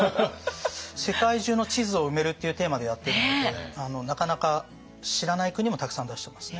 「世界中の地図を埋める」っていうテーマでやってるのでなかなか知らない国もたくさん出してますね。